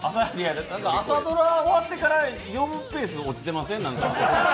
朝ドラ終わってから呼ぶペース落ちてません？